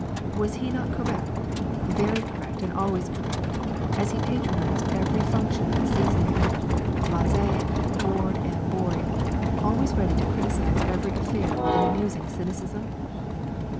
Was he not correct very correct and always correct, as he patronised every function of the season blasé, bored and boring, always ready to criticise every affair with an amusing cynicism?